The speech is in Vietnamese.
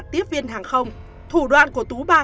tiếp viên hàng không thủ đoàn của tú bà